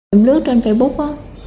em lướt trên facebook